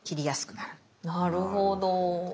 なるほど。